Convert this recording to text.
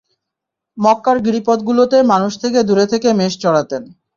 মক্কার গিরিপথগুলোতে মানুষ থেকে দূরে থেকে মেষ চরাতেন।